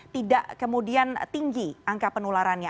tidak kemudian tinggi angka penularannya